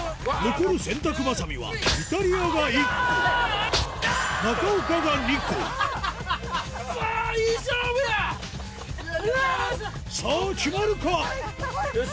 残る洗濯ばさみはイタリアが１個中岡が２個さぁ決まるか？